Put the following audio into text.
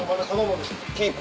キープ？